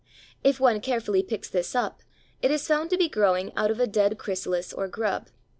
If one carefully pulls this up it is found to be growing out of a dead chrysalis or grub.